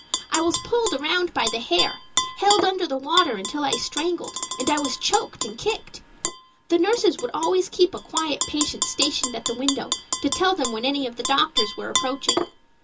I was pulled around by the hair, held under the water until I strangled, and I was choked and kicked. The nurses would always keep a quiet patient stationed at the window to tell them when any of the doctors were approaching.